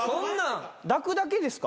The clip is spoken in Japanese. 抱くだけですか？